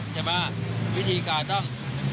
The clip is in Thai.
ใช่ป่ะวิธีก่าตั้ง